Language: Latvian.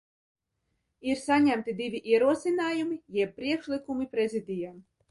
Ir saņemti divi ierosinājumi, jeb priekšlikumi Prezidijam.